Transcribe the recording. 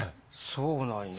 そうなんや。